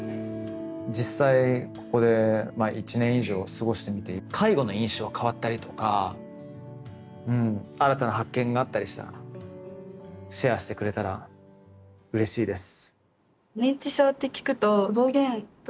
実際ここで１年以上過ごしてみて介護の印象変わったりとか新たな発見があったりしたらシェアしてくれたらうれしいです。